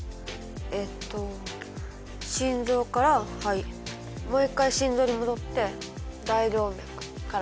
えっと心臓から肺もう一回心臓に戻って大動脈から全身へか。